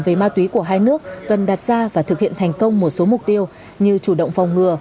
về ma túy của hai nước cần đạt ra và thực hiện thành công một số mục tiêu như chủ động phòng ngừa